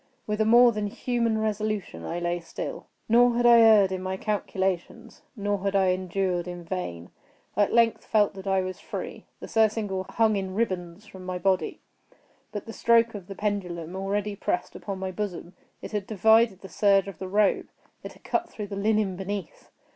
With a more than human resolution I lay still. Nor had I erred in my calculations—nor had I endured in vain. I at length felt that I was free. The surcingle hung in ribands from my body. But the stroke of the pendulum already pressed upon my bosom. It had divided the serge of the robe. It had cut through the linen beneath.